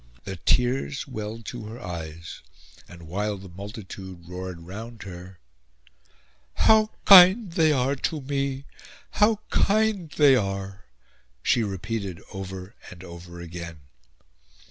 The tears welled to her eyes, and, while the multitude roared round her, "How kind they are to me! How kind they are!" she repeated over and over again.